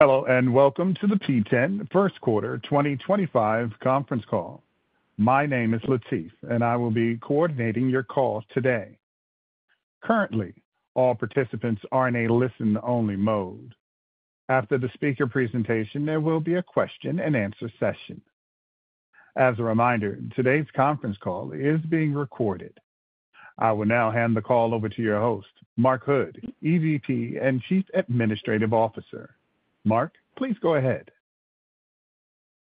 Hello and welcome to the P10 First Quarter 2025 conference call. My name is Latif, and I will be coordinating your call today. Currently, all participants are in a listen-only mode. After the speaker presentation, there will be a question-and-answer session. As a reminder, today's conference call is being recorded. I will now hand the call over to your host, Mark Hood, EVP and Chief Administrative Officer. Mark, please go ahead.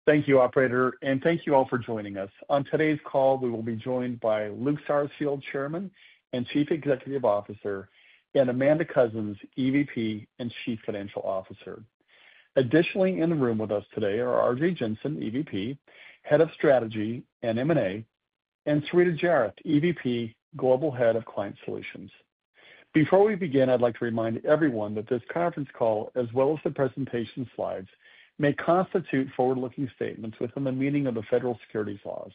Thank you, Operator, and thank you all for joining us. On today's call, we will be joined by Luke Sarsfield, Chairman and Chief Executive Officer, and Amanda Coussens, EVP and Chief Financial Officer. Additionally, in the room with us today are Arjay Jensen, EVP, Head of Strategy and M&A, and Sarita Jairath, EVP, Global Head of Client Solutions. Before we begin, I'd like to remind everyone that this conference call, as well as the presentation slides, may constitute forward-looking statements within the meaning of the federal securities laws,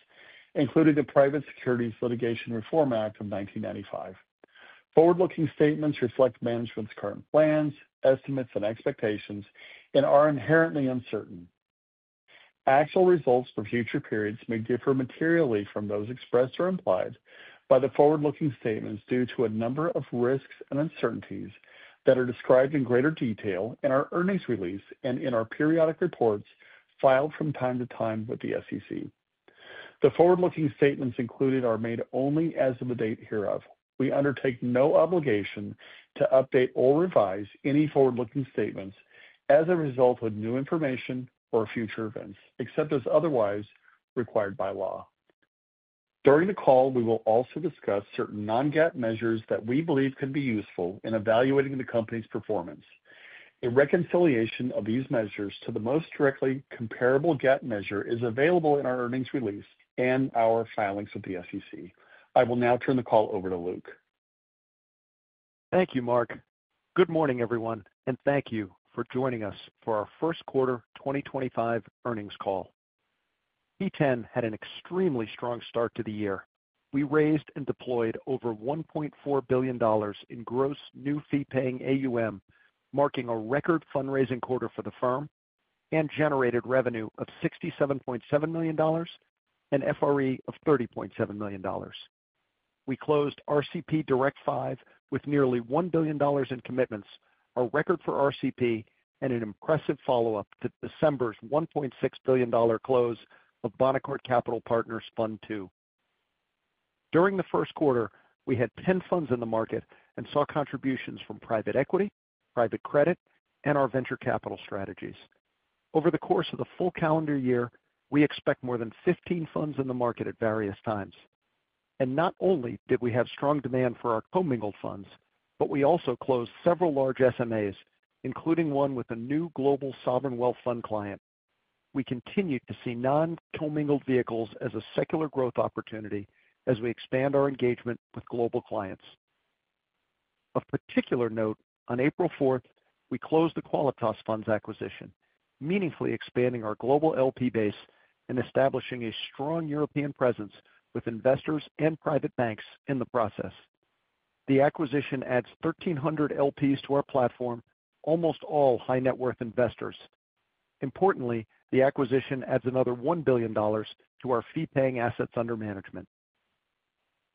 including the Private Securities Litigation Reform Act of 1995. Forward-looking statements reflect management's current plans, estimates, and expectations, and are inherently uncertain. Actual results for future periods may differ materially from those expressed or implied by the forward-looking statements due to a number of risks and uncertainties that are described in greater detail in our earnings release and in our periodic reports filed from time to time with the SEC. The forward-looking statements included are made only as of the date hereof. We undertake no obligation to update or revise any forward-looking statements as a result of new information or future events, except as otherwise required by law. During the call, we will also discuss certain non-GAAP measures that we believe could be useful in evaluating the company's performance. A reconciliation of these measures to the most directly comparable GAAP measure is available in our earnings release and our filings with the SEC. I will now turn the call over to Luke. Thank you, Mark. Good morning, everyone, and thank you for joining us for our First Quarter 2025 earnings call. P10 had an extremely strong start to the year. We raised and deployed over $1.4 billion in gross new fee-paying AUM, marking a record fundraising quarter for the firm, and generated revenue of $67.7 million and FRE of $30.7 million. We closed RCP Direct 5 with nearly $1 billion in commitments, a record for RCP, and an impressive follow-up to December's $1.6 billion close of Bonaccord Capital Partners Fund II. During the first quarter, we had 10 funds in the market and saw contributions from private equity, private credit, and our venture capital strategies. Over the course of the full calendar year, we expect more than 15 funds in the market at various times. Not only did we have strong demand for our commingled funds, but we also closed several large SMAs, including one with a new global sovereign wealth fund client. We continue to see non-commingled vehicles as a secular growth opportunity as we expand our engagement with global clients. Of particular note, on April 4, we closed the Qualitas Funds acquisition, meaningfully expanding our global LP base and establishing a strong European presence with investors and private banks in the process. The acquisition adds 1,300 LPs to our platform, almost all high-net-worth investors. Importantly, the acquisition adds another $1 billion to our fee-paying assets under management.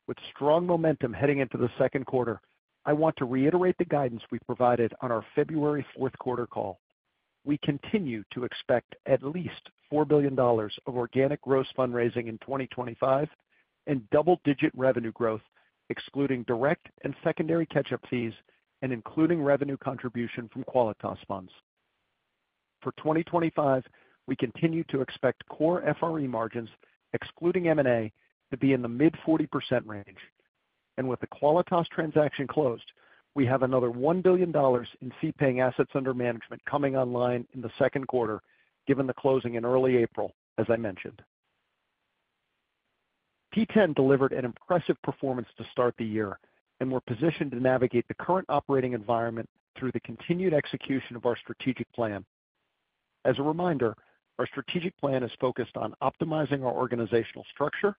With strong momentum heading into the second quarter, I want to reiterate the guidance we provided on our February fourth-quarter call. We continue to expect at least $4 billion of organic gross fundraising in 2025 and double-digit revenue growth, excluding direct and secondary catch-up fees and including revenue contribution from Qualitas Funds. For 2025, we continue to expect core FRE margins, excluding M&A, to be in the mid-40% range. With the Qualitas transaction closed, we have another $1 billion in fee-paying assets under management coming online in the second quarter, given the closing in early April, as I mentioned. P10 delivered an impressive performance to start the year and we are positioned to navigate the current operating environment through the continued execution of our strategic plan. As a reminder, our strategic plan is focused on optimizing our organizational structure,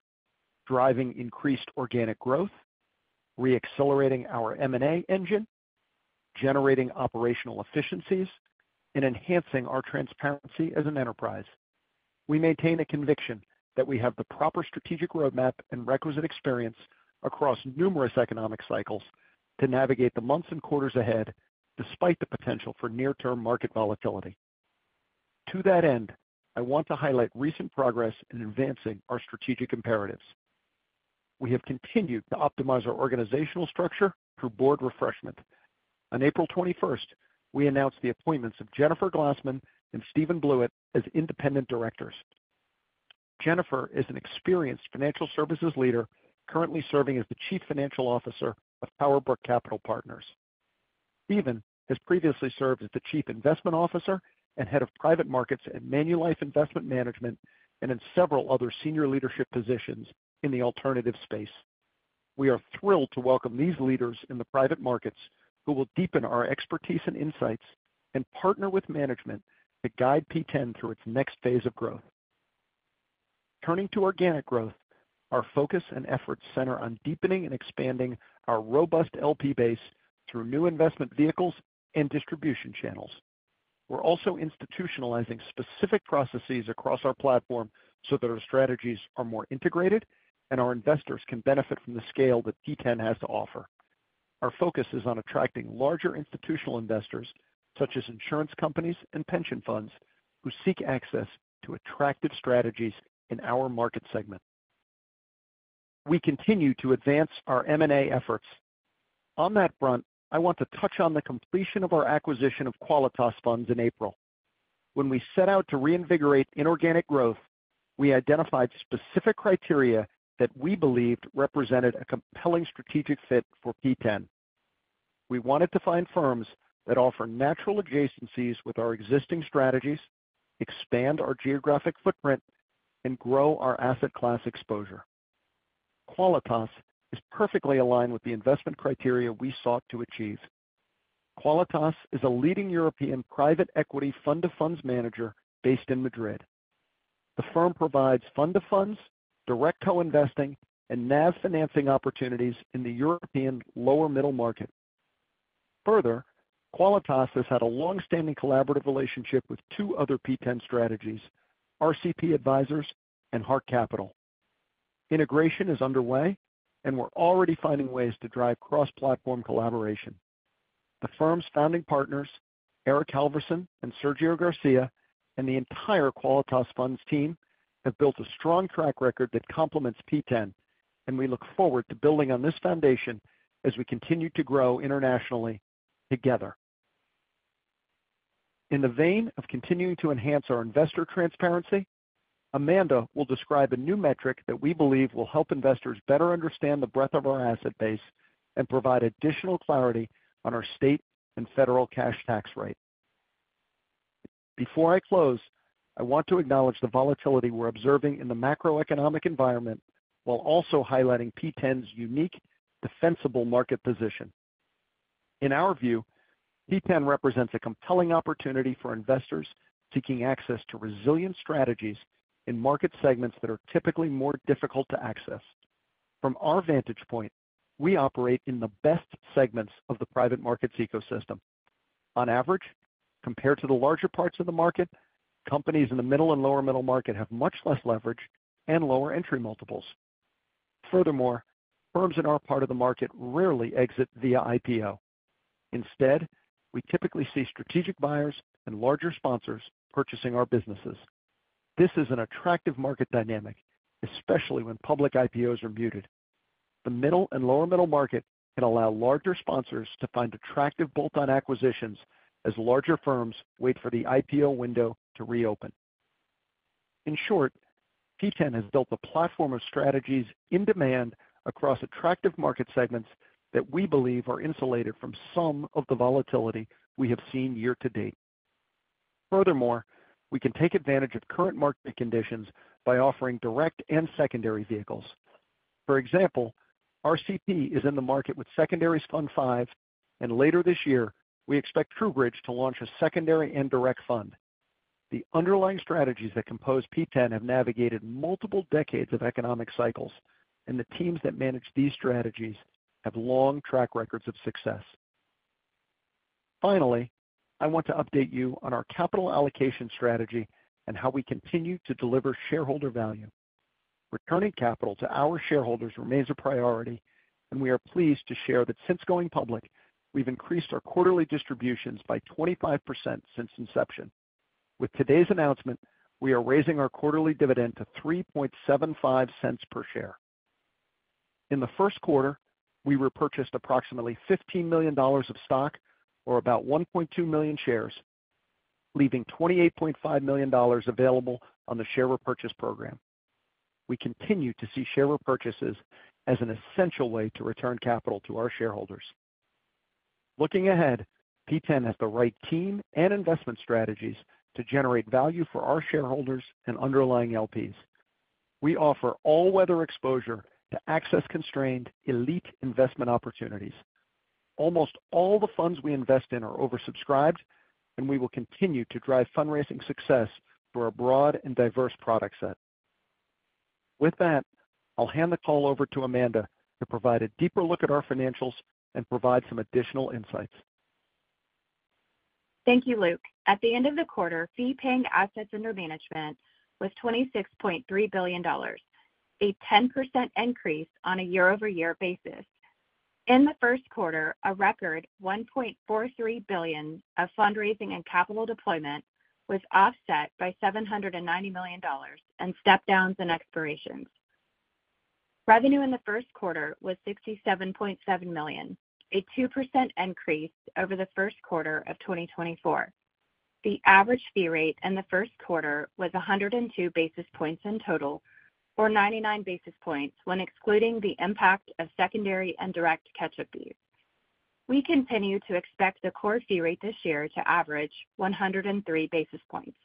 driving increased organic growth, re-accelerating our M&A engine, generating operational efficiencies, and enhancing our transparency as an enterprise. We maintain a conviction that we have the proper strategic roadmap and requisite experience across numerous economic cycles to navigate the months and quarters ahead, despite the potential for near-term market volatility. To that end, I want to highlight recent progress in advancing our strategic imperatives. We have continued to optimize our organizational structure through board refreshment. On April 21, we announced the appointments of Jennifer Glassman and Stephen Blewett as independent directors. Jennifer is an experienced financial services leader currently serving as the Chief Financial Officer of PowerBrook Capital Partners. Stephen has previously served as the Chief Investment Officer and head of private markets at Manulife Investment Management and in several other senior leadership positions in the alternative space. We are thrilled to welcome these leaders in the private markets who will deepen our expertise and insights and partner with management to guide P10 through its next phase of growth. Turning to organic growth, our focus and efforts center on deepening and expanding our robust LP base through new investment vehicles and distribution channels. We're also institutionalizing specific processes across our platform so that our strategies are more integrated and our investors can benefit from the scale that P10 has to offer. Our focus is on attracting larger institutional investors such as insurance companies and pension funds, who seek access to attractive strategies in our market segment. We continue to advance our M&A efforts. On that front, I want to touch on the completion of our acquisition of Qualitas Funds in April. When we set out to reinvigorate inorganic growth, we identified specific criteria that we believed represented a compelling strategic fit for P10. We wanted to find firms that offer natural adjacencies with our existing strategies, expand our geographic footprint, and grow our asset class exposure. Qualitas is perfectly aligned with the investment criteria we sought to achieve. Qualitas is a leading European private equity fund-of-funds manager based in Madrid. The firm provides fund-of-funds, direct co-investing, and NAV financing opportunities in the European lower-middle market. Further, Qualitas has had a long-standing collaborative relationship with two other P10 strategies, RCP Advisors and Heart Capital. Integration is underway, and we're already finding ways to drive cross-platform collaboration. The firm's founding partners, Eric Halverson and Sergio Garcia, and the entire Qualitas Funds team have built a strong track record that complements P10, and we look forward to building on this foundation as we continue to grow internationally together. In the vein of continuing to enhance our investor transparency, Amanda will describe a new metric that we believe will help investors better understand the breadth of our asset base and provide additional clarity on our state and federal cash tax rate. Before I close, I want to acknowledge the volatility we're observing in the macroeconomic environment while also highlighting P10's unique defensible market position. In our view, P10 represents a compelling opportunity for investors seeking access to resilient strategies in market segments that are typically more difficult to access. From our vantage point, we operate in the best segments of the private markets ecosystem. On average, compared to the larger parts of the market, companies in the middle and lower-middle market have much less leverage and lower entry multiples. Furthermore, firms in our part of the market rarely exit via IPO. Instead, we typically see strategic buyers and larger sponsors purchasing our businesses. This is an attractive market dynamic, especially when public IPOs are muted. The middle and lower-middle market can allow larger sponsors to find attractive bolt-on acquisitions as larger firms wait for the IPO window to reopen. In short, P10 has built a platform of strategies in demand across attractive market segments that we believe are insulated from some of the volatility we have seen year to date. Furthermore, we can take advantage of current market conditions by offering direct and secondary vehicles. For example, RCP is in the market with secondary fund finds, and later this year, we expect TrueBridge to launch a secondary indirect fund. The underlying strategies that compose P10 have navigated multiple decades of economic cycles, and the teams that manage these strategies have long track records of success. Finally, I want to update you on our capital allocation strategy and how we continue to deliver shareholder value. Returning capital to our shareholders remains a priority, and we are pleased to share that since going public, we've increased our quarterly distributions by 25% since inception. With today's announcement, we are raising our quarterly dividend to $3.75 per share. In the first quarter, we repurchased approximately $15 million of stock, or about 1.2 million shares, leaving $28.5 million available on the share repurchase program. We continue to see share repurchases as an essential way to return capital to our shareholders. Looking ahead, P10 has the right team and investment strategies to generate value for our shareholders and underlying LPs. We offer all-weather exposure to access-constrained elite investment opportunities. Almost all the funds we invest in are oversubscribed, and we will continue to drive fundraising success for a broad and diverse product set. With that, I'll hand the call over to Amanda to provide a deeper look at our financials and provide some additional insights. Thank you, Luke. At the end of the quarter, fee-paying assets under management was $26.3 billion, a 10% increase on a year-over-year basis. In the first quarter, a record $1.43 billion of fundraising and capital deployment was offset by $790 million in step-downs and expirations. Revenue in the first quarter was $67.7 million, a 2% increase over the first quarter of 2024. The average fee rate in the first quarter was 102 basis points in total, or 99 basis points when excluding the impact of secondary and direct catch-up fees. We continue to expect the core fee rate this year to average 103 basis points.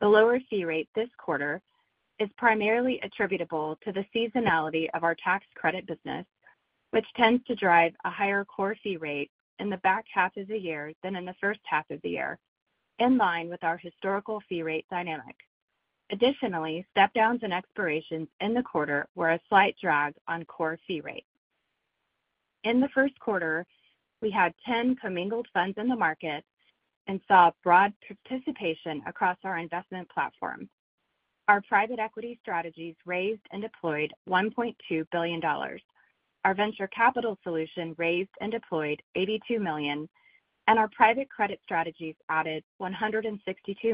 The lower fee rate this quarter is primarily attributable to the seasonality of our tax credit business, which tends to drive a higher core fee rate in the back half of the year than in the first half of the year, in line with our historical fee rate dynamic. Additionally, step-downs and expirations in the quarter were a slight drag on core fee rate. In the first quarter, we had 10 commingled funds in the market and saw broad participation across our investment platform. Our private equity strategies raised and deployed $1.2 billion, our venture capital solution raised and deployed $82 million, and our private credit strategies added $162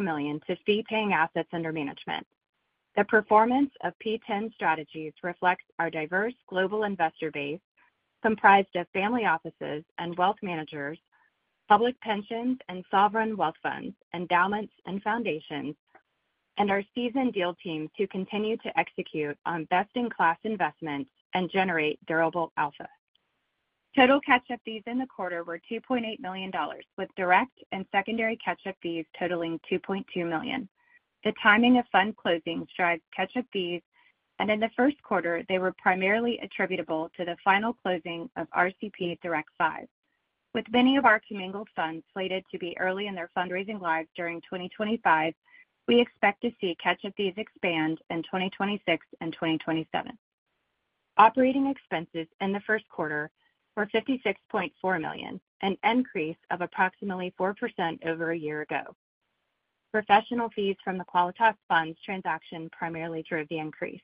million to fee-paying assets under management. The performance of P10 strategies reflects our diverse global investor base, comprised of family offices and wealth managers, public pensions and sovereign wealth funds, endowments and foundations, and our seasoned deal teams who continue to execute on best-in-class investment and generate durable alpha. Total catch-up fees in the quarter were $2.8 million, with direct and secondary catch-up fees totaling $2.2 million. The timing of fund closings drives catch-up fees, and in the first quarter, they were primarily attributable to the final closing of RCP Direct 5. With many of our commingled funds slated to be early in their fundraising lives during 2025, we expect to see catch-up fees expand in 2026 and 2027. Operating expenses in the first quarter were $56.4 million, an increase of approximately 4% over a year ago. Professional fees from the Qualitas Funds transaction primarily drove the increase.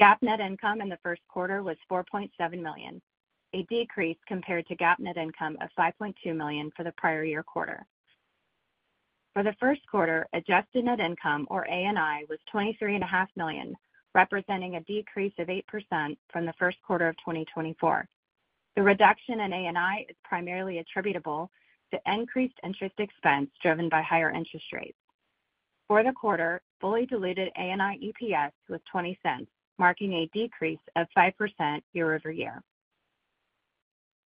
GAAP net income in the first quarter was $4.7 million, a decrease compared to GAAP net income of $5.2 million for the prior year quarter. For the first quarter, adjusted net income, or ANI, was $23.5 million, representing a decrease of 8% from the first quarter of 2024. The reduction in ANI is primarily attributable to increased interest expense driven by higher interest rates. For the quarter, fully diluted ANI EPS was $0.20, marking a decrease of 5% year-over-year.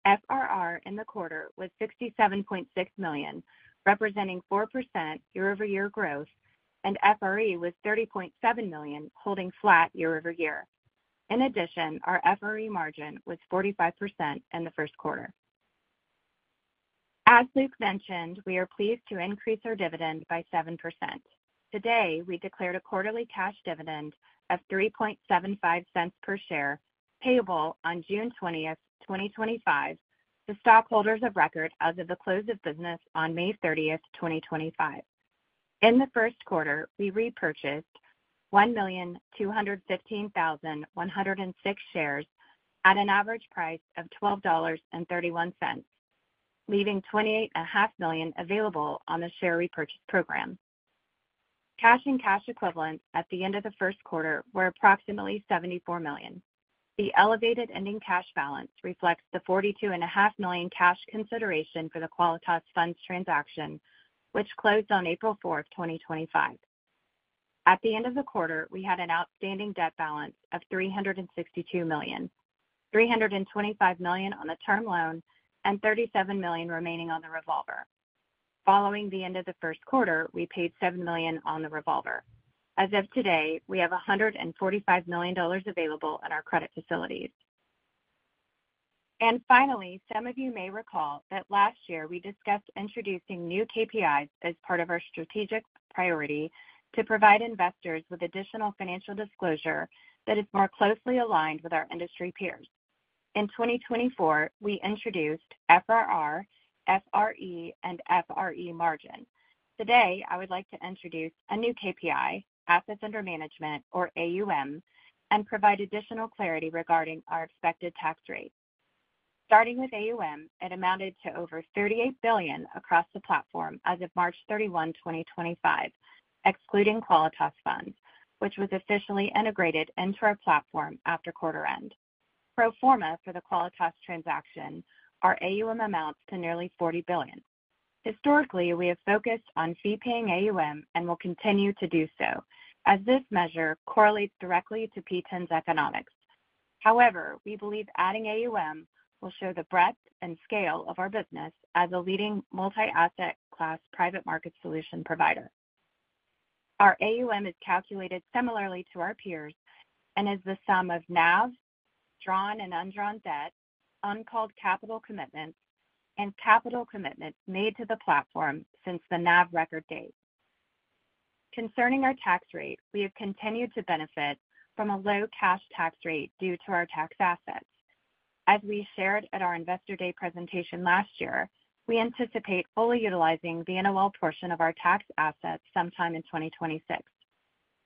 FRR in the quarter was $67.6 million, representing 4% year-over-year growth, and FRE was $30.7 million, holding flat year-over-year. In addition, our FRE margin was 45% in the first quarter. As Luke mentioned, we are pleased to increase our dividend by 7%. Today, we declared a quarterly cash dividend of 3.75 cents per share payable on June 20th, 2025, to stockholders of record as of the close of business on May 30th, 2025. In the first quarter, we repurchased 1,215,106 shares at an average price of $12.31, leaving $28.5 million available on the share repurchase program. Cash and cash equivalents at the end of the first quarter were approximately $74 million. The elevated ending cash balance reflects the $42.5 million cash consideration for the Qualitas Funds transaction, which closed on April 4th, 2025. At the end of the quarter, we had an outstanding debt balance of $362 million, $325 million on the term loan, and $37 million remaining on the revolver. Following the end of the first quarter, we paid $7 million on the revolver. As of today, we have $145 million available at our credit facilities. Finally, some of you may recall that last year we discussed introducing new KPIs as part of our strategic priority to provide investors with additional financial disclosure that is more closely aligned with our industry peers. In 2024, we introduced FRR, FRE, and FRE margin. Today, I would like to introduce a new KPI, Assets Under Management, or AUM, and provide additional clarity regarding our expected tax rate. Starting with AUM, it amounted to over $38 billion across the platform as of March 31, 2025, excluding Qualitas Funds, which was officially integrated into our platform after quarter-end. Pro forma for the Qualitas transaction, our AUM amounts to nearly $40 billion. Historically, we have focused on fee-paying AUM and will continue to do so, as this measure correlates directly to P10's economics. However, we believe adding AUM will show the breadth and scale of our business as a leading multi-asset class private market solution provider. Our AUM is calculated similarly to our peers and is the sum of NAV, drawn and undrawn debt, uncalled capital commitments, and capital commitments made to the platform since the NAV record date. Concerning our tax rate, we have continued to benefit from a low cash tax rate due to our tax assets. As we shared at our investor day presentation last year, we anticipate fully utilizing the NOL portion of our tax assets sometime in 2026.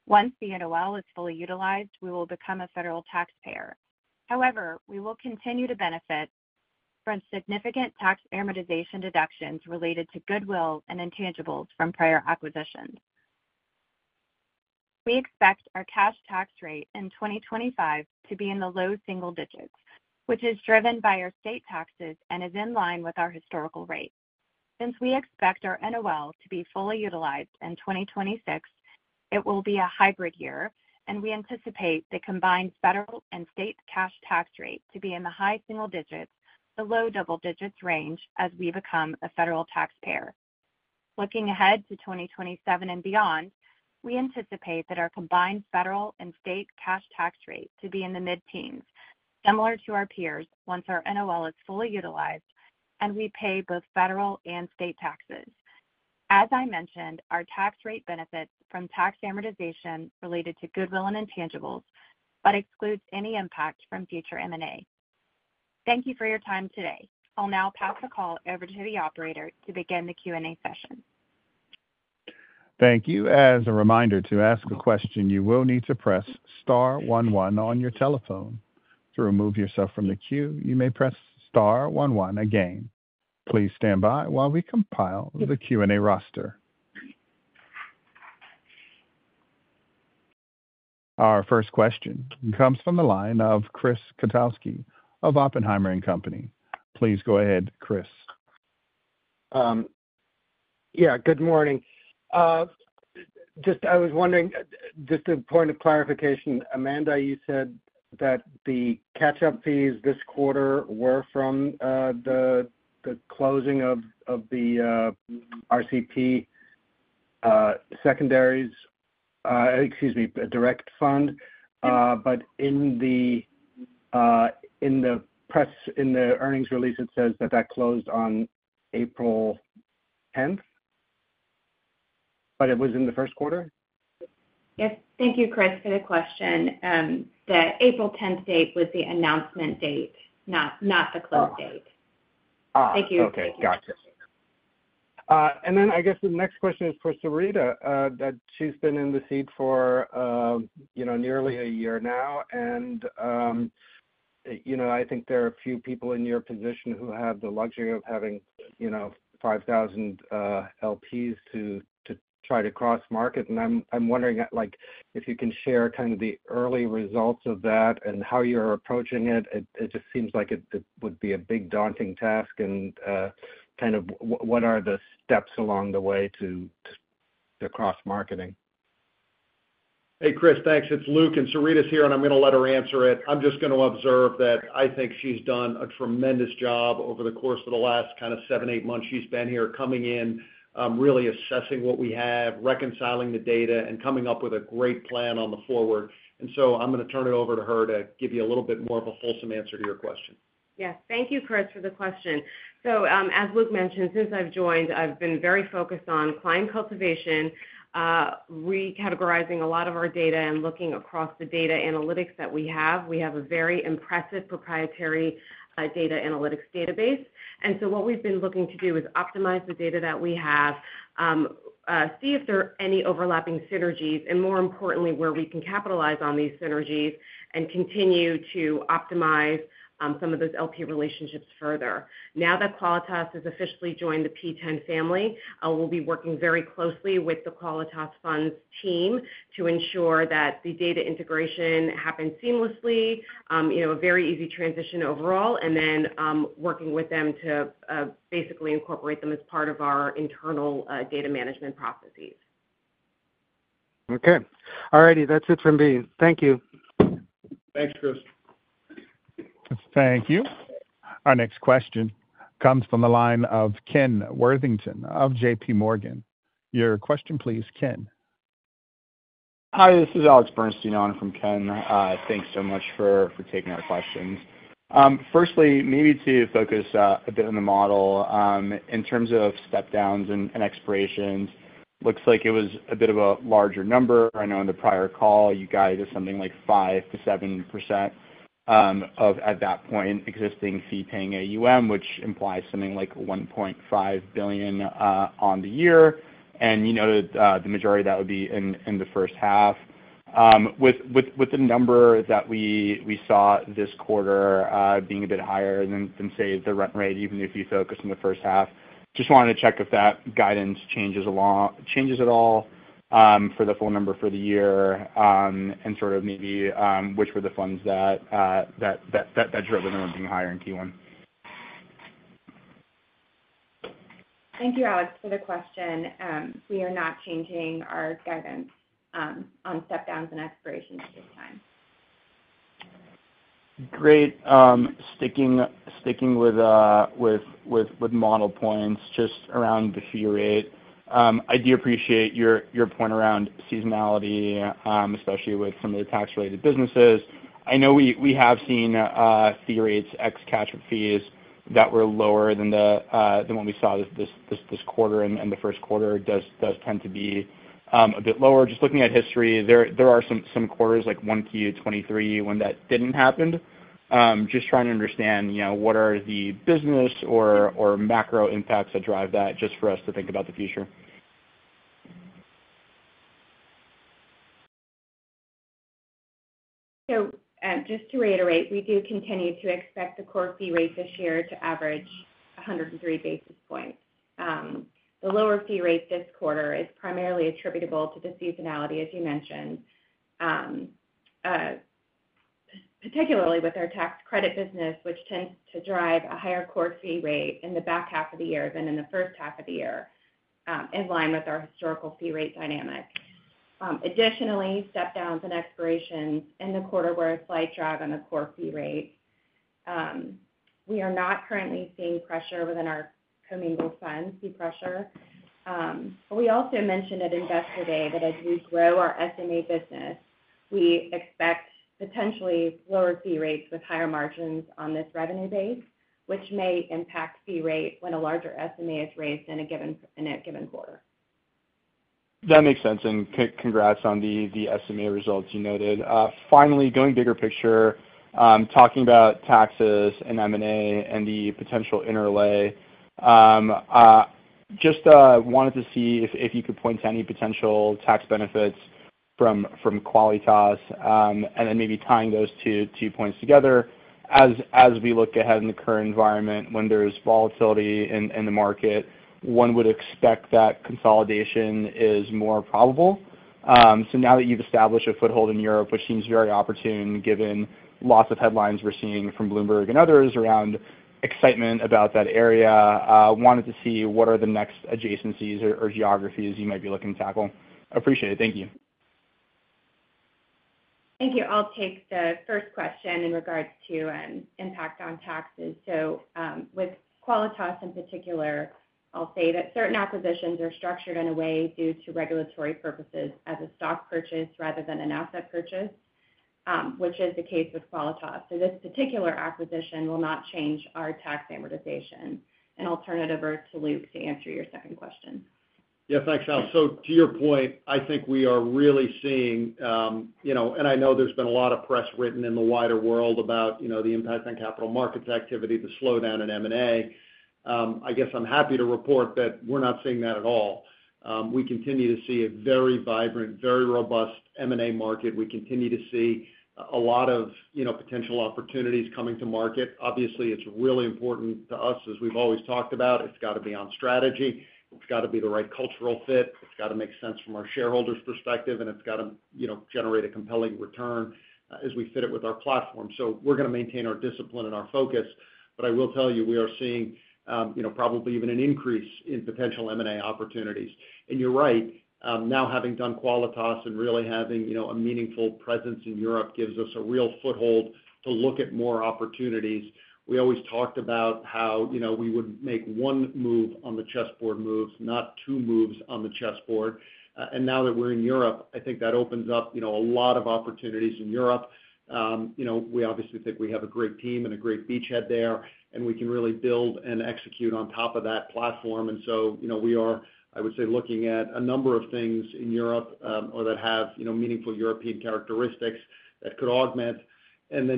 Once the NOL is fully utilized, we will become a federal taxpayer. However, we will continue to benefit from significant tax amortization deductions related to goodwill and intangibles from prior acquisitions. We expect our cash tax rate in 2025 to be in the low single digits, which is driven by our state taxes and is in line with our historical rate. Since we expect our NOL to be fully utilized in 2026, it will be a hybrid year, and we anticipate the combined federal and state cash tax rate to be in the high single digits-the low double digits range as we become a federal taxpayer. Looking ahead to 2027 and beyond, we anticipate that our combined federal and state cash tax rate to be in the mid-teens, similar to our peers once our NOL is fully utilized and we pay both federal and state taxes. As I mentioned, our tax rate benefits from tax amortization related to goodwill and intangibles, but excludes any impact from future M&A. Thank you for your time today. I'll now pass the call over to the operator to begin the Q&A session. Thank you. As a reminder to ask a question, you will need to press star one one on your telephone. To remove yourself from the queue, you may press star one one again. Please stand by while we compile the Q&A roster. Our first question comes from the line of Chris Kotowski of Oppenheimer and Company. Please go ahead, Chris. Yeah, good morning. Just I was wondering, just a point of clarification, Amanda, you said that the catch-up fees this quarter were from the closing of the RCP secondaries, excuse me, direct fund, but in the press, in the earnings release, it says that that closed on April 10th, but it was in the first quarter? Yes. Thank you, Chris, for the question. The April 10th date was the announcement date, not the close date. Thank you. Okay. Gotcha. I guess the next question is for Sarita, that she's been in the seat for nearly a year now, and I think there are a few people in your position who have the luxury of having 5,000 LPs to try to cross-market. I'm wondering if you can share kind of the early results of that and how you're approaching it. It just seems like it would be a big daunting task. Kind of what are the steps along the way to cross-marketing? Hey, Chris, thanks. It's Luke and Sarita's here, and I'm going to let her answer it. I'm just going to observe that I think she's done a tremendous job over the course of the last kind of seven, eight months she's been here, coming in, really assessing what we have, reconciling the data, and coming up with a great plan on the forward. I'm going to turn it over to her to give you a little bit more of a fulsome answer to your question. Yes. Thank you, Chris, for the question. As Luke mentioned, since I've joined, I've been very focused on client cultivation, recategorizing a lot of our data and looking across the data analytics that we have. We have a very impressive proprietary data analytics database. What we've been looking to do is optimize the data that we have, see if there are any overlapping synergies, and more importantly, where we can capitalize on these synergies and continue to optimize some of those LP relationships further. Now that Qualitas has officially joined the P10 family, we'll be working very closely with the Qualitas Funds team to ensure that the data integration happens seamlessly, a very easy transition overall, and then working with them to basically incorporate them as part of our internal data management processes. Okay. All righty. That's it from me. Thank you. Thanks, Chris. Thank you. Our next question comes from the line of Ken Worthington of JPMorgan. Your question, please, Ken. Hi, this is Alex Bernstein on from Ken. Thanks so much for taking our questions. Firstly, maybe to focus a bit on the model in terms of step-downs and expirations, looks like it was a bit of a larger number. I know in the prior call, you guided us something like 5% to 7% of at that point existing fee-paying AUM, which implies something like $1.5 billion on the year. You noted the majority of that would be in the first half. With the number that we saw this quarter being a bit higher than, say, the rent rate, even if you focus on the first half, just wanted to check if that guidance changes at all for the full number for the year and sort of maybe which were the funds that dropped when they were being higher in Q1. Thank you, Alex, for the question. We are not changing our guidance on step-downs and expirations at this time. Great. Sticking with model points just around the fee rate, I do appreciate your point around seasonality, especially with some of the tax-related businesses. I know we have seen fee rates ex-cash fees, that were lower than the one we saw this quarter and the first quarter does tend to be a bit lower. Just looking at history, there are some quarters like Q1 2023 when that did not happen. Just trying to understand what are the business or macro impacts that drive that, just for us to think about the future. Just to reiterate, we do continue to expect the core fee rate this year to average 103 basis points. The lower fee rate this quarter is primarily attributable to the seasonality, as you mentioned, particularly with our tax credit business, which tends to drive a higher core fee rate in the back half of the year than in the first half of the year in line with our historical fee rate dynamic. Additionally, step-downs and expirations in the quarter were a slight drive on the core fee rate. We are not currently seeing pressure within our commingled fund fee pressure. We also mentioned at investor day that as we grow our SMA business, we expect potentially lower fee rates with higher margins on this revenue base, which may impact fee rate when a larger SMA is raised in a given quarter. That makes sense. Congrats on the SMA results you noted. Finally, going bigger picture, talking about taxes and M&A and the potential interlay, just wanted to see if you could point to any potential tax benefits from Qualitas and then maybe tying those two points together. As we look ahead in the current environment, when there is volatility in the market, one would expect that consolidation is more probable. Now that you have established a foothold in Europe, which seems very opportune given lots of headlines we are seeing from Bloomberg and others around excitement about that area, wanted to see what are the next adjacencies or geographies you might be looking to tackle. Appreciate it. Thank you. Thank you. I'll take the first question in regards to impact on taxes. With Qualitas in particular, I'll say that certain acquisitions are structured in a way due to regulatory purposes as a stock purchase rather than an asset purchase, which is the case with Qualitas. This particular acquisition will not change our tax amortization. I'll turn it over to Luke to answer your second question. Yeah, thanks, Al. To your point, I think we are really seeing, and I know there's been a lot of press written in the wider world about the impact on capital markets activity, the slowdown in M&A. I guess I'm happy to report that we're not seeing that at all. We continue to see a very vibrant, very robust M&A market. We continue to see a lot of potential opportunities coming to market. Obviously, it's really important to us, as we've always talked about. It's got to be on strategy. It's got to be the right cultural fit. It's got to make sense from our shareholders' perspective, and it's got to generate a compelling return as we fit it with our platform. We are going to maintain our discipline and our focus. I will tell you, we are seeing probably even an increase in potential M&A opportunities. You're right. Now having done Qualitas and really having a meaningful presence in Europe gives us a real foothold to look at more opportunities. We always talked about how we would make one move on the chessboard, not two moves on the chessboard. Now that we're in Europe, I think that opens up a lot of opportunities in Europe. We obviously think we have a great team and a great beachhead there, and we can really build and execute on top of that platform. I would say we are looking at a number of things in Europe or that have meaningful European characteristics that could augment.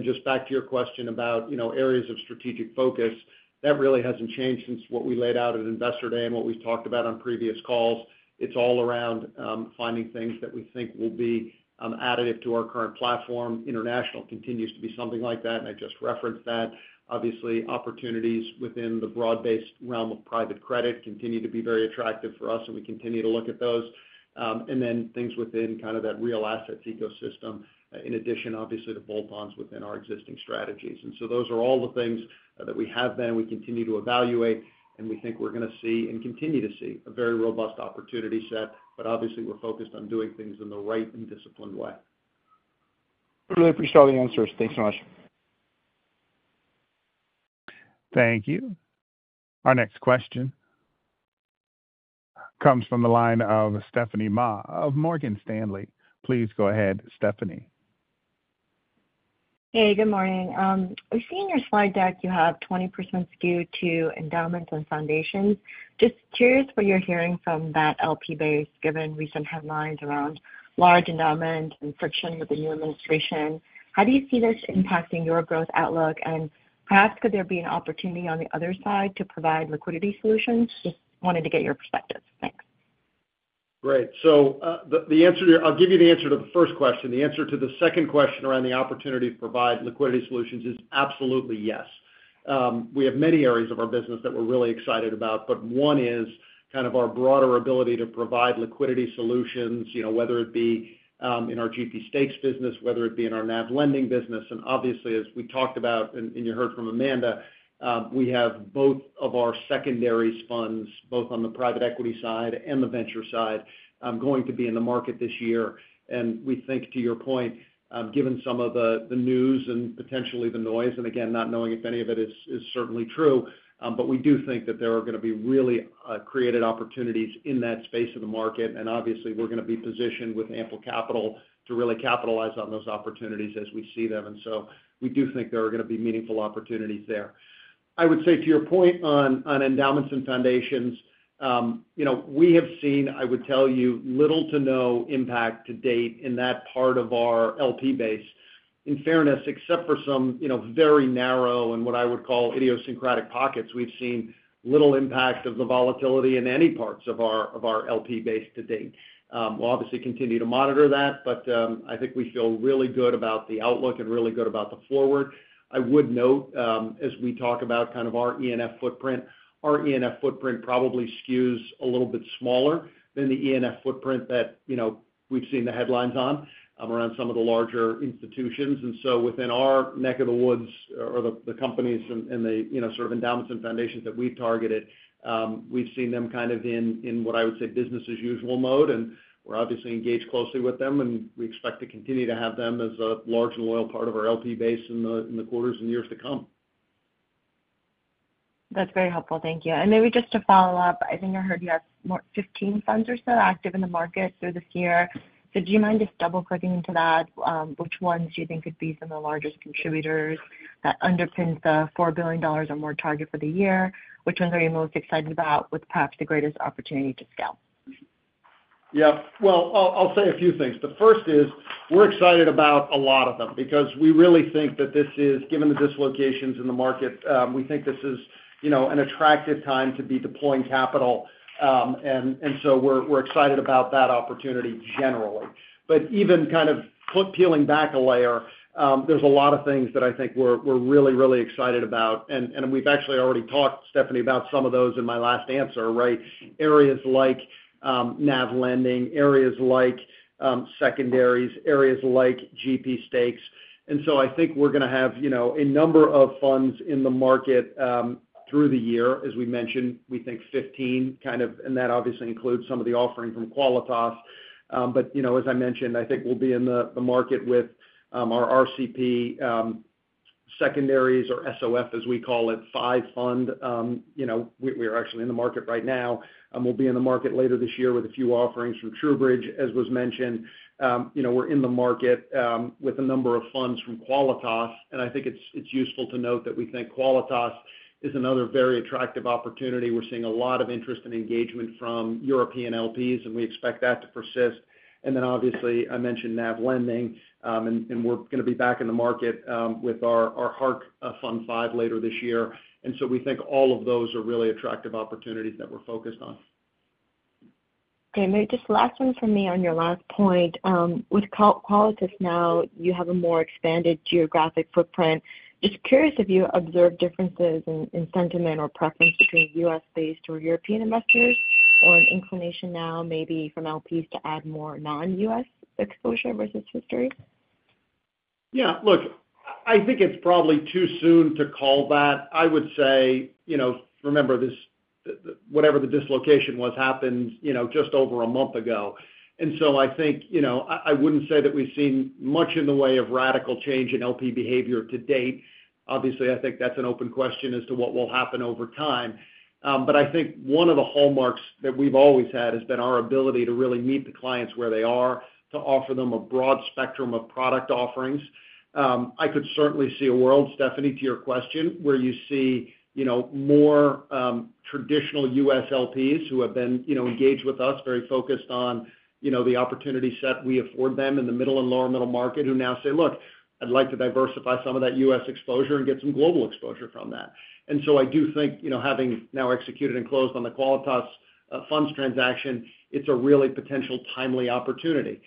Just back to your question about areas of strategic focus, that really hasn't changed since what we laid out at investor day and what we've talked about on previous calls. It's all around finding things that we think will be additive to our current platform. International continues to be something like that, and I just referenced that. Obviously, opportunities within the broad-based realm of private credit continue to be very attractive for us, and we continue to look at those. Then things within kind of that real assets ecosystem, in addition, obviously, to bolt-ons within our existing strategies. Those are all the things that we have been and we continue to evaluate, and we think we're going to see and continue to see a very robust opportunity set. Obviously, we're focused on doing things in the right and disciplined way. Really appreciate all the answers. Thanks so much. Thank you. Our next question comes from the line of Stephanie Ma of Morgan Stanley. Please go ahead, Stephanie. Hey, good morning. We see in your slide deck you have 20% skew to endowments and foundations. Just curious what you're hearing from that LP base given recent headlines around large endowment and friction with the new administration. How do you see this impacting your growth outlook, and perhaps could there be an opportunity on the other side to provide liquidity solutions? Just wanted to get your perspective. Thanks. Right. The answer to, I'll give you the answer to the first question. The answer to the second question around the opportunity to provide liquidity solutions is absolutely yes. We have many areas of our business that we're really excited about, but one is kind of our broader ability to provide liquidity solutions, whether it be in our GP stakes business, whether it be in our NAV lending business. Obviously, as we talked about and you heard from Amanda, we have both of our secondary funds, both on the private equity side and the venture side, going to be in the market this year. We think, to your point, given some of the news and potentially the noise, and again, not knowing if any of it is certainly true, but we do think that there are going to be really created opportunities in that space of the market. Obviously, we are going to be positioned with ample capital to really capitalize on those opportunities as we see them. We do think there are going to be meaningful opportunities there. I would say to your point on endowments and foundations, we have seen, I would tell you, little to no impact to date in that part of our LP base. In fairness, except for some very narrow and what I would call idiosyncratic pockets, we have seen little impact of the volatility in any parts of our LP base to date. We'll obviously continue to monitor that, but I think we feel really good about the outlook and really good about the forward. I would note, as we talk about kind of our E&F footprint, our E&F footprint probably skews a little bit smaller than the E&F footprint that we've seen the headlines on around some of the larger institutions. Within our neck of the woods or the companies and the sort of endowments and foundations that we've targeted, we've seen them kind of in what I would say business-as-usual mode. We're obviously engaged closely with them, and we expect to continue to have them as a large and loyal part of our LP base in the quarters and years to come. That's very helpful. Thank you. Maybe just to follow up, I think I heard you had 15 funds or so active in the market through this year. Do you mind just double-clicking into that? Which ones do you think could be some of the largest contributors that underpin the $4 billion or more target for the year? Which ones are you most excited about with perhaps the greatest opportunity to scale? Yeah. I'll say a few things. First is we're excited about a lot of them because we really think that this is, given the dislocations in the market, we think this is an attractive time to be deploying capital. We're excited about that opportunity generally. Even kind of peeling back a layer, there's a lot of things that I think we're really, really excited about. We've actually already talked, Stephanie, about some of those in my last answer, right? Areas like NAV lending, areas like secondaries, areas like GP stakes. I think we're going to have a number of funds in the market through the year. As we mentioned, we think 15 kind of, and that obviously includes some of the offering from Qualitas. As I mentioned, I think we'll be in the market with our RCP secondaries or SOF, as we call it, five fund. We are actually in the market right now. We'll be in the market later this year with a few offerings from TrueBridge, as was mentioned. We're in the market with a number of funds from Qualitas. I think it's useful to note that we think Qualitas is another very attractive opportunity. We're seeing a lot of interest and engagement from European LPs, and we expect that to persist. Obviously, I mentioned NAV lending, and we're going to be back in the market with our HARC fund five later this year. We think all of those are really attractive opportunities that we're focused on. Okay. Just last one from me on your last point. With Qualitas now, you have a more expanded geographic footprint. Just curious if you observe differences in sentiment or preference between U.S.-based or European investors or an inclination now maybe from LPs to add more non-U.S. exposure versus histories? Yeah. Look, I think it's probably too soon to call that. I would say, remember, whatever the dislocation was happened just over a month ago. I think I wouldn't say that we've seen much in the way of radical change in LP behavior to date. Obviously, I think that's an open question as to what will happen over time. I think one of the hallmarks that we've always had has been our ability to really meet the clients where they are, to offer them a broad spectrum of product offerings. I could certainly see a world, Stephanie, to your question, where you see more traditional U.S. LPs who have been engaged with us, very focused on the opportunity set we afford them in the middle and lower middle market, who now say, "Look, I'd like to diversify some of that U.S. Exposure and get some global exposure from that." I do think having now executed and closed on the Qualitas Funds transaction, it is a really potential timely opportunity.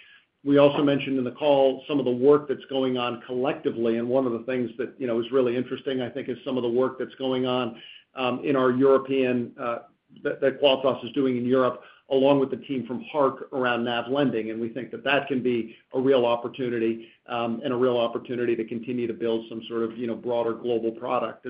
We also mentioned in the call some of the work that is going on collectively. One of the things that is really interesting, I think, is some of the work that is going on in our European that Qualitas is doing in Europe, along with the team from Hark around NAV lending. We think that that can be a real opportunity and a real opportunity to continue to build some sort of broader global product.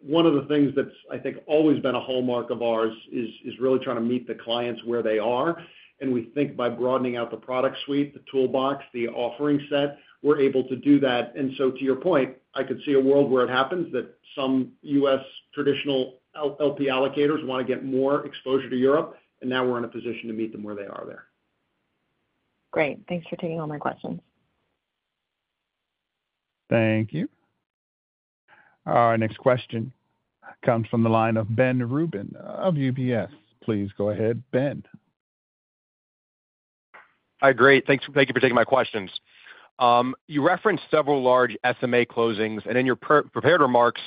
One of the things that has, I think, always been a hallmark of ours is really trying to meet the clients where they are. We think by broadening out the product suite, the toolbox, the offering set, we are able to do that. To your point, I could see a world where it happens that some U.S. traditional LP allocators want to get more exposure to Europe, and now we're in a position to meet them where they are there. Great. Thanks for taking all my questions. Thank you. Our next question comes from the line of Ben Rubin of UBS. Please go ahead, Ben. Hi, great. Thank you for taking my questions. You referenced several large SMA closings, and in your prepared remarks,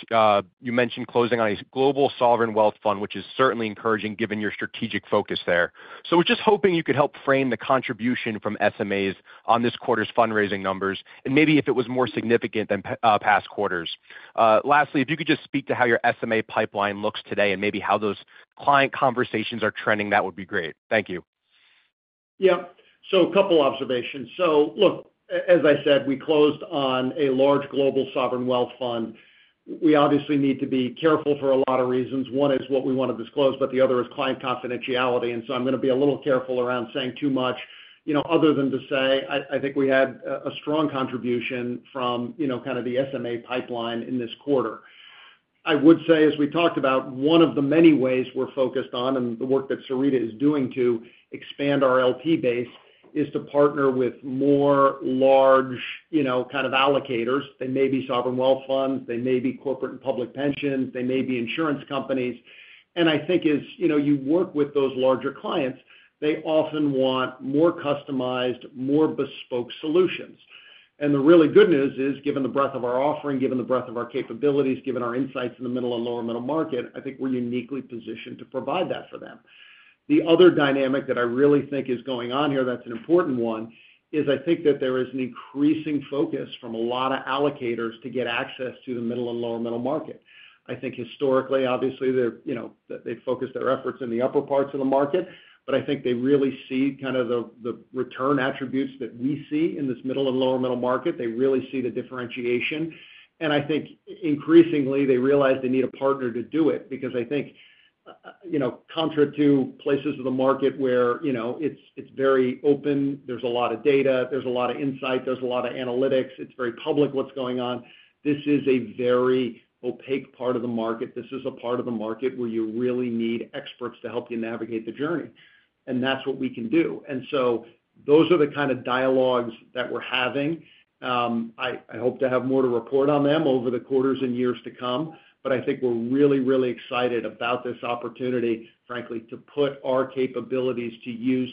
you mentioned closing on a global sovereign wealth fund, which is certainly encouraging given your strategic focus there. We are just hoping you could help frame the contribution from SMAs on this quarter's fundraising numbers and maybe if it was more significant than past quarters. Lastly, if you could just speak to how your SMA pipeline looks today and maybe how those client conversations are trending, that would be great. Thank you. Yeah. A couple of observations. Look, as I said, we closed on a large global sovereign wealth fund. We obviously need to be careful for a lot of reasons. One is what we want to disclose, but the other is client confidentiality. I am going to be a little careful around saying too much, other than to say I think we had a strong contribution from kind of the SMA pipeline in this quarter. I would say, as we talked about, one of the many ways we are focused on and the work that Sarita is doing to expand our LP base is to partner with more large kind of allocators. They may be sovereign wealth funds. They may be corporate and public pensions. They may be insurance companies. I think as you work with those larger clients, they often want more customized, more bespoke solutions. The really good news is, given the breadth of our offering, given the breadth of our capabilities, given our insights in the middle and lower middle market, I think we're uniquely positioned to provide that for them. The other dynamic that I really think is going on here, that's an important one, is I think that there is an increasing focus from a lot of allocators to get access to the middle and lower middle market. I think historically, obviously, they focus their efforts in the upper parts of the market, but I think they really see kind of the return attributes that we see in this middle and lower middle market. They really see the differentiation. I think increasingly, they realize they need a partner to do it because I think contra to places of the market where it is very open, there is a lot of data, there is a lot of insight, there is a lot of analytics, it is very public what is going on. This is a very opaque part of the market. This is a part of the market where you really need experts to help you navigate the journey. That is what we can do. Those are the kind of dialogues that we are having. I hope to have more to report on them over the quarters and years to come. I think we are really, really excited about this opportunity, frankly, to put our capabilities to use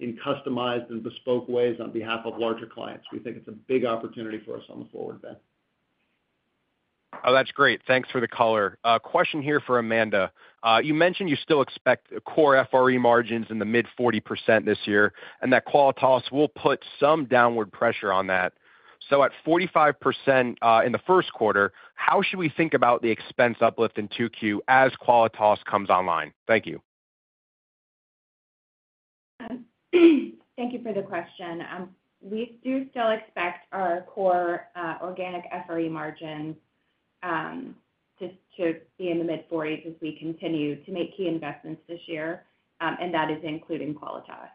in customized and bespoke ways on behalf of larger clients. We think it is a big opportunity for us on the forward, Ben. Oh, that's great. Thanks for the color. Question here for Amanda. You mentioned you still expect core FRE margins in the mid-40% this year, and that Qualitas will put some downward pressure on that. At 45% in the first quarter, how should we think about the expense uplift in 2Q as Qualitas comes online? Thank you. Thank you for the question. We do still expect our core organic FRE margin to be in the mid-40s as we continue to make key investments this year, and that is including Qualitas.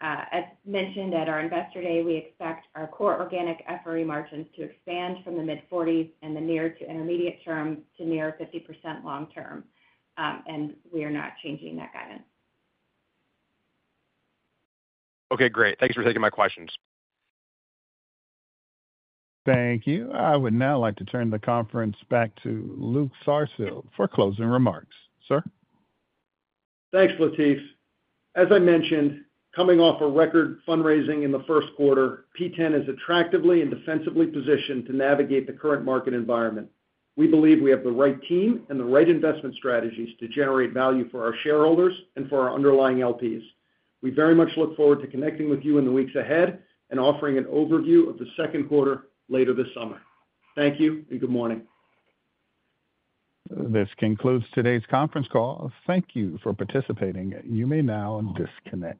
As mentioned at our investor day, we expect our core organic FRE margins to expand from the mid-40s in the near to intermediate term to near 50% long term. We are not changing that guidance. Okay, great. Thanks for taking my questions. Thank you. I would now like to turn the conference back to Luke Sarsfield for closing remarks. Sir. Thanks, Latif. As I mentioned, coming off a record fundraising in the first quarter, P10 is attractively and defensively positioned to navigate the current market environment. We believe we have the right team and the right investment strategies to generate value for our shareholders and for our underlying LPs. We very much look forward to connecting with you in the weeks ahead and offering an overview of the second quarter later this summer. Thank you and good morning. This concludes today's conference call. Thank you for participating. You may now disconnect.